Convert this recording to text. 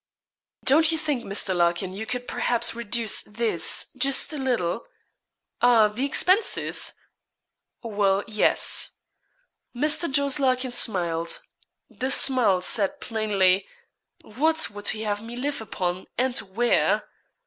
'Don't you think, Mr. Larkin, you could perhaps reduce this, just a little?' 'Ah, the expenses?' 'Well, yes.' Mr. Jos. Larkin smiled the smile said plainly, 'what would he have me live upon, and where?'